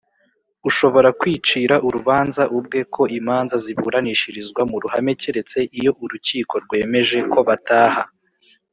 ushobora kwicira urubanza ubwe ko imanza ziburanishirizwa mu ruhame keretse iyo urukiko rwemeje ko bataha